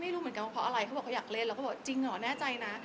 เราก็บอกว่าจริงเหรอแน่ใจนะ